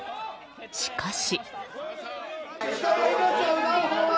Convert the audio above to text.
しかし。